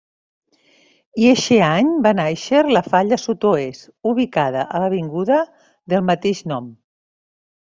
I eixe any va nàixer la Falla Sud-oest, ubicada a l'avinguda del mateix nom.